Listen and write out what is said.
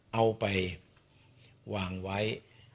เอาไปวางไว้